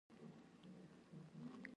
غړیتوب یې په اتومات ډول منل کېږي